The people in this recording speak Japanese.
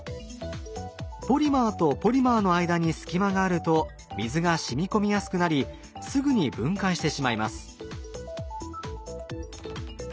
ポリマーとポリマーの間に隙間があると水がしみこみやすくなりすぐに分解してしまいます。